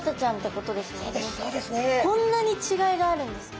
こんなに違いがあるんですか？